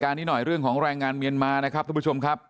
นี้หน่อยเรื่องของแรงงานเมียนมานะครับทุกผู้ชมครับ